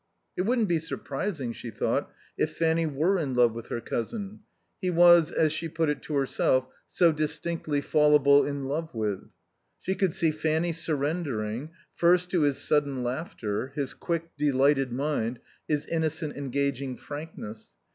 It wouldn't be surprising, she thought, if Fanny were in love with her cousin; he was, as she put it to herself, so distinctly "fallable in love with." She could see Fanny surrendering, first to his sudden laughter, his quick, delighted mind, his innocent, engaging frankness.